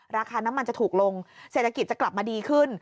ราคาน้ำมันจะถูกลงเศรษฐกิจจะกลับมาดีขึ้น